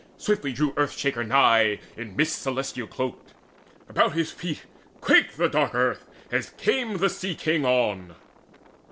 Swiftly drew Earth shaker nigh In mist celestial cloaked: about his feet Quaked the dark earth as came the Sea king on.